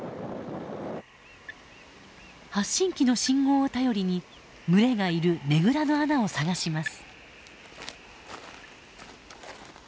発信器の信号を頼りに群れがいるねぐらの穴を探します。